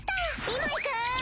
今行く！